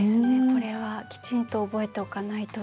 これはきちんと覚えておかないと。